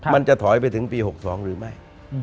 มันจะถอยไปถึงปี๖๒หรือไม่